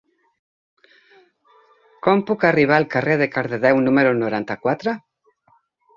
Com puc arribar al carrer de Cardedeu número noranta-quatre?